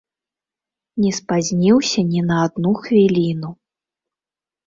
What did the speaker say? Не спазніўся ні на адну хвіліну.